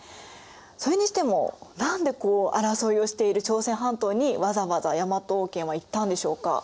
それにしても何でこう争いをしている朝鮮半島にわざわざ大和王権は行ったんでしょうか？